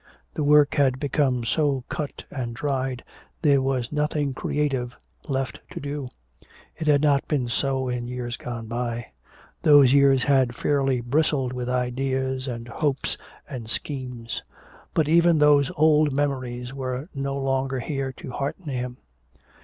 The work had become so cut and dried, there was nothing creative left to do. It had not been so in years gone by. Those years had fairly bristled with ideas and hopes and schemes. But even those old memories were no longer here to hearten him.